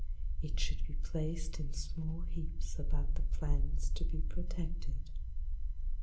It should be placed in small heaps about the plants to be protected.